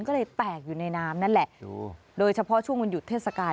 ก็เลยแตกอยู่ในน้ำนั่นแหละโดยเฉพาะช่วงวันหยุดเทศกาล